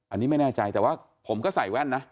อันนี้ไม่แน่ใจแต่ว่าผมก็ใส่แว่นนะ